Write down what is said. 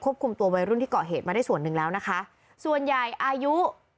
คุมตัววัยรุ่นที่เกาะเหตุมาได้ส่วนหนึ่งแล้วนะคะส่วนใหญ่อายุ